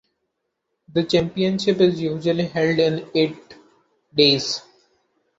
The championship is usually held in eight days.